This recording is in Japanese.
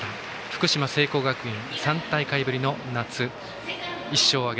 福島の聖光学院３大会ぶりの夏、１勝。